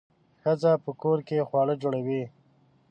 ښځې په کور کې خواړه جوړوي.